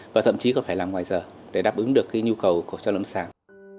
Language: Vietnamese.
và thậm chí có phải làm ngoài giờ để đáp ứng được nhu cầu của cháu lâm sàng